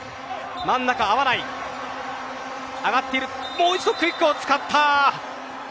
もう一度クイックを使った。